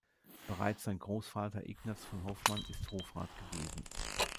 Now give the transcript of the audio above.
Bereits sein Großvater Ignaz von Hofmann ist Hofrat gewesen.